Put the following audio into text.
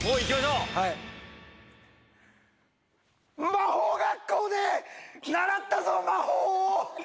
魔法学校で習ったぞ魔法を！